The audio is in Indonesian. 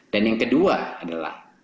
dan yang kedua adalah